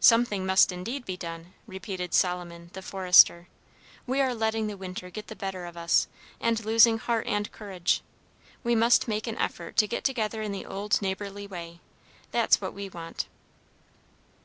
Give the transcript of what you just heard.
"Something must indeed be done!" repeated Solomon, the forester. "We are letting the winter get the better of us, and losing heart and courage. We must make an effort to get together in the old neighborly way; that's what we want."